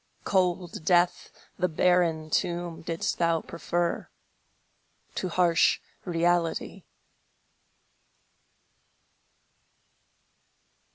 Cold death, the barren tomb, didst thou prefer To harsh reality.